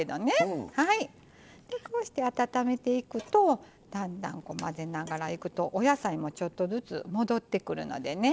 こうして温めていくとだんだん混ぜながらいくとお野菜もちょっとずつ戻ってくるのでね。